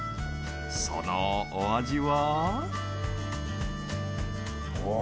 そのお味は？